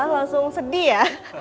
langsung sedih ya